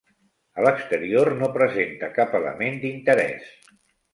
A l'exterior no presenta cap element d'interès.